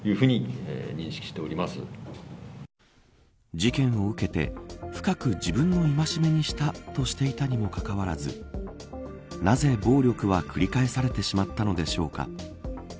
事件を受けて、深く自分の戒めにしたとしていたにもかかわらずなぜ暴力は繰り返されてしまったのでしょうか。